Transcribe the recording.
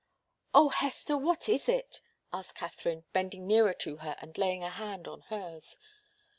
"Oh, Hester, what is it?" asked Katharine, bending nearer to her and laying a hand on hers.